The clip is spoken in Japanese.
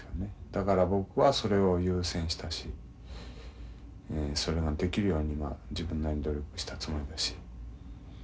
だから僕はそれを優先したしそれができるように自分なりに努力したつもりだし。